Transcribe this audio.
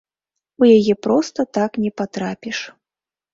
У яе проста так не патрапіш.